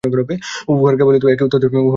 উহার কেবল এক-ই উত্তর দেওয়া যাইতে পারে।